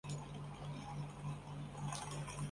除此之外每位主角都有自己的特殊技能。